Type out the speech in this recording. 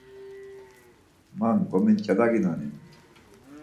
Man gominç̌elaginoni?